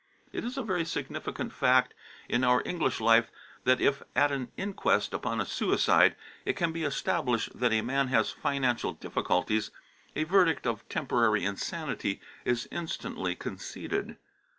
It is a very significant fact in our English life that if at an inquest upon a suicide it can be established that a man has financial difficulties, a verdict of temporary insanity is instantly conceded.